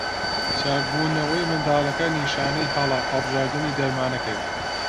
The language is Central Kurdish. چاکنەبوونەوەی منداڵەکە نیشانەی هەڵە هەڵبژاردنی دەرمانەکەیە.